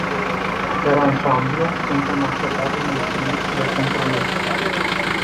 Per ansamblu, suntem așadar mulțumiți de compromis.